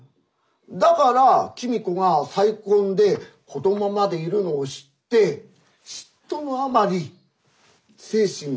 だから公子が再婚で子どもまでいるのを知って嫉妬のあまり精神を病んでしまった。